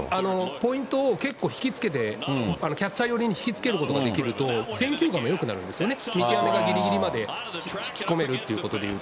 ポイントを結構引き付けてキャッチャー寄りに引き付けることができると、選球眼がよくなるんですよね、見極めがぎりぎりまで引き込めるっていうことでいうと。